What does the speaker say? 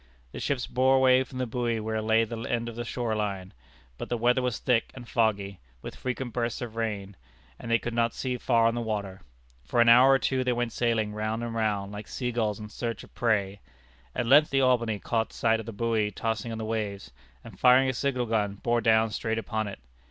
The ships bore away for the buoy where lay the end of the shore line; but the weather was thick and foggy, with frequent bursts of rain, and they could not see far on the water. For an hour or two they went sailing round and round, like sea gulls in search of prey. At length the Albany caught sight of the buoy tossing on the waves, and, firing a signal gun, bore down straight upon it.